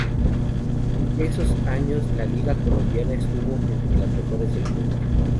En esos años, la liga colombiana estuvo entre las mejores del mundo.